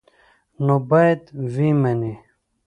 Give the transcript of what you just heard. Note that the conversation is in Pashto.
نو باید ویې مني.